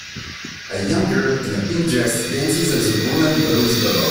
A young girl in a pink dress dances as a woman blows bubbles.